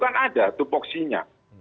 kan ada tupoksinya